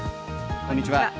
こんにちは。